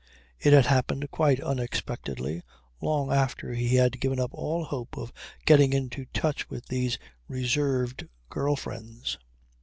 It had happened quite unexpectedly, long after he had given up all hope of getting into touch with these reserved girl friends.